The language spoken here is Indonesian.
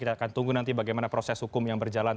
kita akan tunggu nanti bagaimana proses hukum yang berjalan